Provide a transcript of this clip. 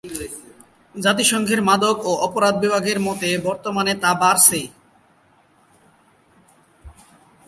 জাতিসংঘের মাদক ও অপরাধ বিভাগের মতে বর্তমানে তা বাড়ছে।